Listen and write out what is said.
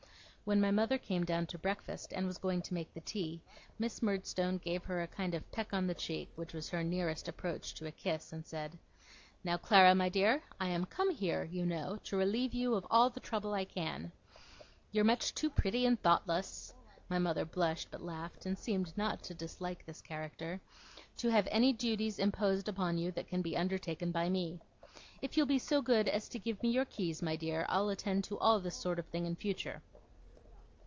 When my mother came down to breakfast and was going to make the tea, Miss Murdstone gave her a kind of peck on the cheek, which was her nearest approach to a kiss, and said: 'Now, Clara, my dear, I am come here, you know, to relieve you of all the trouble I can. You're much too pretty and thoughtless' my mother blushed but laughed, and seemed not to dislike this character 'to have any duties imposed upon you that can be undertaken by me. If you'll be so good as give me your keys, my dear, I'll attend to all this sort of thing in future.